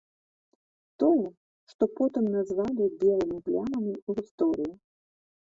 Тое, што потым назвалі белымі плямамі ў гісторыі.